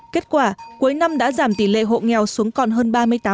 kết quả cuối năm đã giảm tỷ lệ hộ nghèo xuống còn hơn ba mươi tám